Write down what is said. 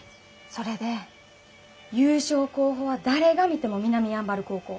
それで優勝候補は誰が見ても南山原高校。